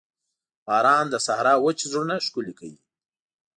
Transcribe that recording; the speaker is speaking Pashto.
باران د صحرا وچ زړونه ښکلي کوي.